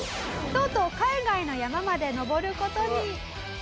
とうとう海外の山まで登る事に。